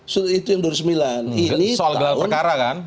soal gelar perkara kan